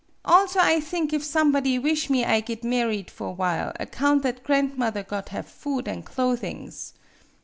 Also, I thing if some body wish me I git married for while, ac count that grandmother got have food an' clothings.